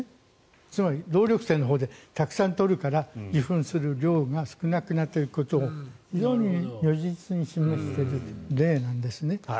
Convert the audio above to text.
つまり、動力泉のほうでたくさん取るから自噴する量が少なくなるということを非常に如実に示している例なんですね。